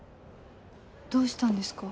どうしたんですか？